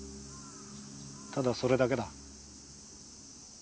ただそれだけだ。